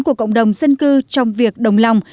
của cộng đồng dân cư trong việc đồng lòng